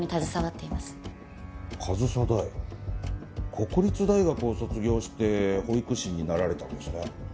国立大学を卒業して保育士になられたんですね。